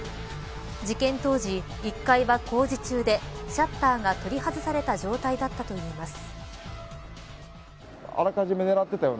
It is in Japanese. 事件当時１階は工事中でシャッターが取り外された状態だったといいます。